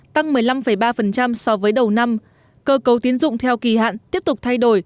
tăng một mươi năm ba so với đầu năm cơ cấu tiến dụng theo kỳ hạn tiếp tục thay đổi